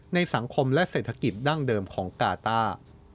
ในสังคมและเศรษฐกิจดั้งเดิมของกาต้า